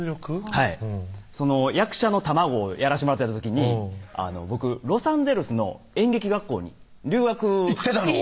はい役者の卵をやらせてもらってた時に僕ロサンゼルスの演劇学校に留学行ってたの？